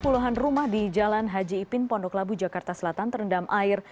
puluhan rumah di jalan haji ipin pondok labu jakarta selatan terendam air